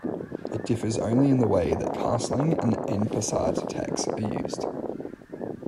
It differs only in the way that castling and "en passant" tags are used.